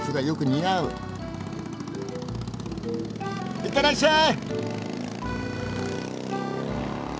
いってらっしゃい！